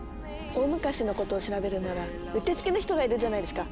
大昔のことを調べるならうってつけの人がいるじゃないですか！